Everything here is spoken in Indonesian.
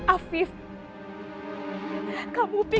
aku ingin ketemu dengan dia